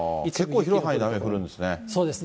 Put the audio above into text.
結構広い範囲で雨降るんですね。